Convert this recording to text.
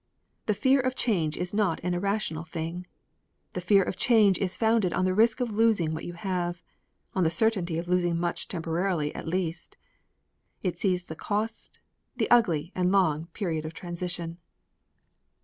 The fear of change is not an irrational thing the fear of change is founded on the risk of losing what you have, on the certainty of losing much temporarily at least. It sees the cost, the ugly and long period of transition.